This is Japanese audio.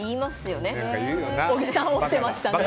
小木さん、折ってましたね。